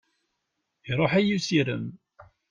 Iruḥ-iyi usirem.